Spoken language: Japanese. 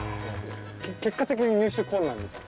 結果的に入手困難に。